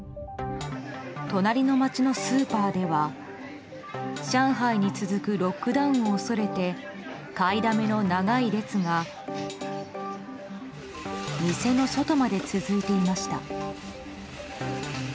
隣の町のスーパーでは上海に続くロックダウンを恐れて買いだめの長い列が店の外まで続いていました。